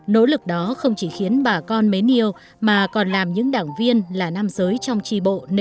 nỗ lực đó không chỉ khiến bà con mến yêu mà còn làm những đảng viên là nam giới trong tri bộ